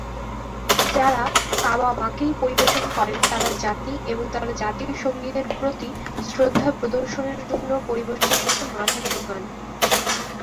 যারা "কাবা মা কেই" পরিবেশন করেন তারা জাতি এবং তার জাতীয় সংগীতের প্রতি শ্রদ্ধা প্রদর্শনের জন্য পরিবেশন শেষে মাথা ঝোঁকান।